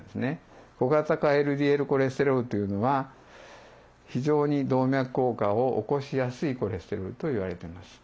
小型化ＬＤＬコレステロールというのは非常に動脈硬化を起こしやすいコレステロールといわれてます。